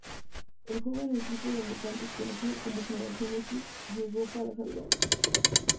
El joven equipo de mutantes conocido como Generación X, llegó para salvarlo.